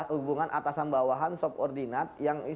hubungan atasan bawahan subordinat